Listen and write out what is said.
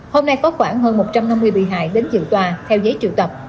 hôm nay có khoảng hơn một trăm năm mươi bị hại đến dự tòa theo giấy triệu tập